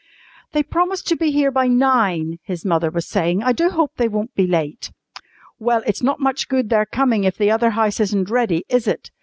"They promised to be here by nine," his mother was saying. "I do hope they won't be late!" "Well, it's not much good their coming if the other house isn't ready, is it?"